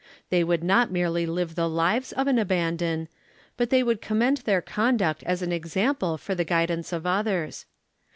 Thej" would not merely live the lives of an abandon, but they would commend their conduct as an example for the guidance of others.